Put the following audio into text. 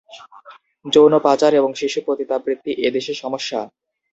যৌন পাচার এবং শিশু পতিতাবৃত্তি এ দেশে সমস্যা।